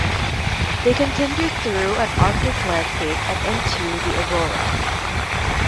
They continue through an arctic landscape and into the aurora.